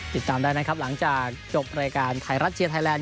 ติดตามได้นะครับหลังจากจบรายการไทยรัฐเชียร์ไทยแลนด